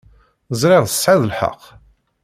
Ẓriɣ tesεiḍ lḥeqq.